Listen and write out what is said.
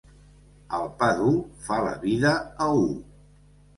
El pa dur fa la vida a u.